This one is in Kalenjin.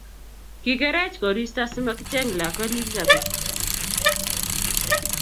Kikerech koristo asimakicheng lakwet nekikabet